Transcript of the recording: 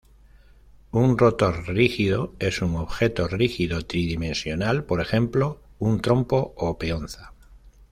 Un rotor rígido es un objeto rígido tridimensional, por ejemplo un trompo o peonza.